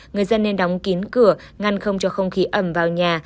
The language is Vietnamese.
người dân nên đóng kín cửa ngăn không cho không khí ẩm vào nhà